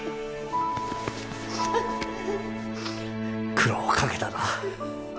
苦労をかけたな